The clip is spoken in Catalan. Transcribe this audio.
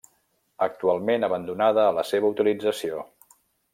Actualment abandonada la seva utilització.